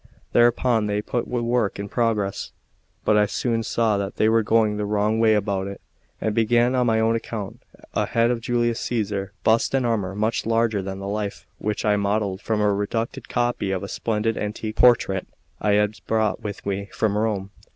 Thereupon they put the work in progress; but I soon saw that they were going the wrong way about it, and began on my own account a head of Julius Cæsar, bust and armour, much larger than the life, which I modelled from a reduced copy of a splendid antique portrait I had brought with me from Rome.